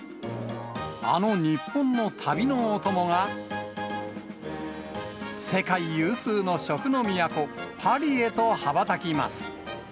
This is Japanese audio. あの日本の旅のお供が、世界有数の食の都、パリへと羽ばたきます。